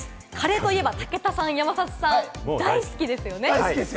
カレーといえば武田さん、山里さん、大好きですよね？